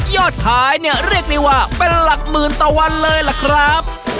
ยอดขายเนี่ยเรียกได้ว่าเป็นหลักหมื่นต่อวันเลยล่ะครับ